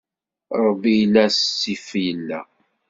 Ṛebbi illa, asif illa.